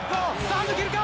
抜けるか？